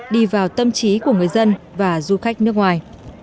đi vào tâm trí của người dân và du khách nước ngoài